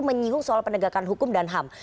menyinggung soal penegakan hukum dan ham